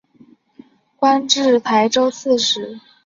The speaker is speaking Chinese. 官至台州刺史。